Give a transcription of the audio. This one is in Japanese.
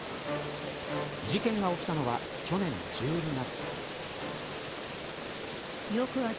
事件が起きたのは去年１２月。